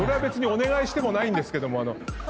お願いしてもないんですけども。